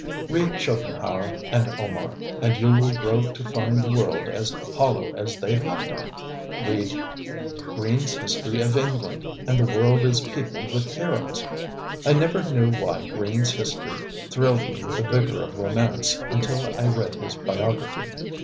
ŌĆØ Read Schopenhauer and Omar, and you will grow to find the world as hollow as they find it. Read GreenŌĆÖs history of England, and the world is peopled with heroes. I never knew why GreenŌĆÖs history thrilled me with the vigor of romance until I read his biography.